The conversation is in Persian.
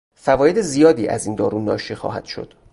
فواید زیادی از این دارو ناشی خواهد شد.